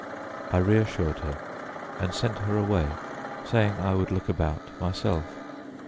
I reassured her and sent her away, saying I would look about myself.